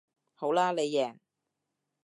好啦你贏